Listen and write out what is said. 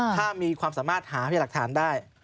ถ้ามีความสามารถหาพยาหลักฐานได้